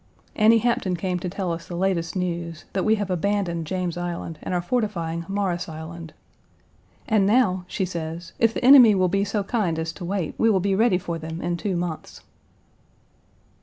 Annie Hampton came to tell us the latest news that we have abandoned James Island and are fortifying Morris Island. "And now," she says, "if the enemy will be so kind as to wait, we will be ready for them in two months."